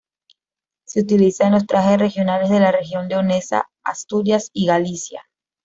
Se utiliza en los trajes regionales de la Región Leonesa, Asturias y Galicia.